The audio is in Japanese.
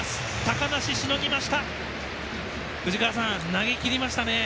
高梨、しのぎました。